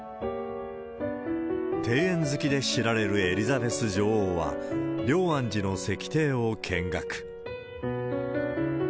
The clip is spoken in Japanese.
庭園好きで知られるエリザベス女王は、龍安寺の石庭を見学。